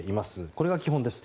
これが基本です。